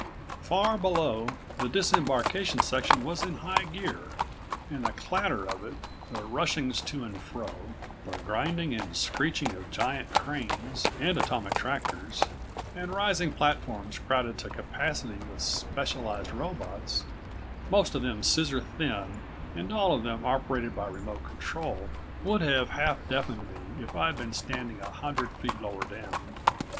Far below the disembarkation section was in high gear, and the clatter of it, the rushings to and fro, the grinding and screeching of giant cranes, and atomic tractors, and rising platforms crowded to capacity with specialized robots, most of them scissor thin and all of them operated by remote control ... would have half deafened me if I'd been standing a hundred feet lower down.